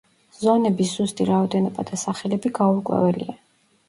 ზონების ზუსტი რაოდენობა და სახელები გაურკვეველია.